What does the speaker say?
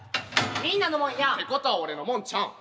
みんなのもんやん。ってことは俺のもんちゃうん。